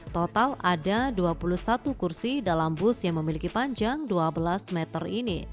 total ada dua puluh satu kursi dalam bus yang memiliki panjang dua belas meter ini